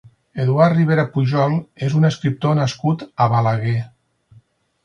Eduard Ribera Pujol és un escriptor nascut a Balaguer.